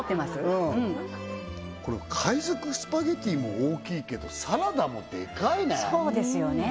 うんこの海賊スパゲッティも大きいけどサラダもデカいねそうですよね